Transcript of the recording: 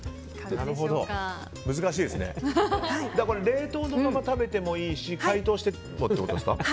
冷凍のままでも食べてもいいし解凍してもってことですか？